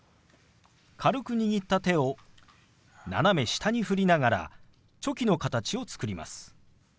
軽く握った手を斜め下に振りながらチョキの形を作ります。